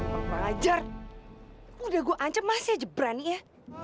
pak pelajar udah gua ancam masih aja berani ya